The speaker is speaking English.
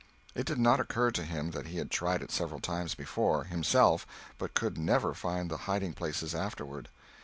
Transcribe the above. It did not occur to him that he had tried it several times before, himself, but could never find the hiding places afterward.